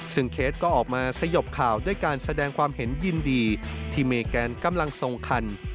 ซึ่งเคสก็ออกมาสยบข่าวด้วยการแสดงความเห็นยินดีที่เมแกนกำลังทรงคัน